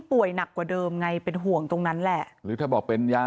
หนักกว่าเดิมไงเป็นห่วงตรงนั้นแหละหรือถ้าบอกเป็นยา